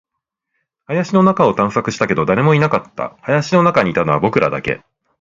林の中を探索したけど、誰もいなかった。林の中にいたのは僕らだけ。